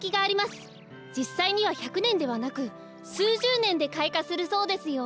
じっさいには１００ねんではなくすうじゅうねんでかいかするそうですよ。